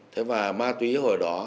thế mà ma túy hồi đó